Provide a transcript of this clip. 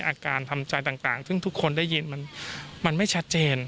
อาการทำใจต่างซึ่งทุกคนได้ยินมันไม่ชัดเจน